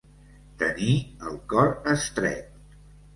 Tenir el cor estret.